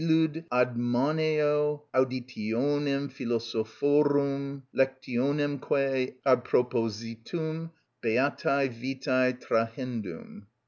108: "_Illud admoneo auditionem philosophorum, lectionemque, ad propositum beatæ vitæ trahendum.